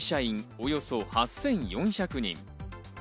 およそ８４００人。